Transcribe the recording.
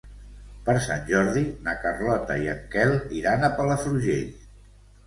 Per Sant Jordi na Carlota i en Quel iran a Palafrugell.